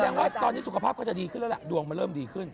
แสดงว่าตอนนี้สุขภาพก็จะดีขึ้นแล้วล่ะดวงมันเริ่มดีขึ้น